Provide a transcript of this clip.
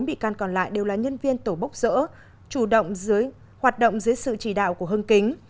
tám bị can còn lại đều là nhân viên tổ bốc dỡ chủ động hoạt động dưới sự chỉ đạo của hưng kính